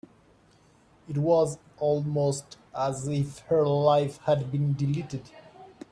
It was almost as if her life had been deleted.